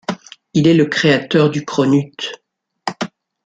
Il est le créateur du cronut.